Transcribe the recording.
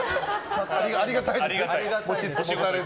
ありがたいです。